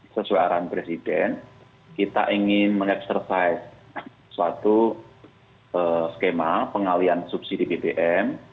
sesuaraan presiden kita ingin mengeksersai suatu skema pengalian subsidi bpm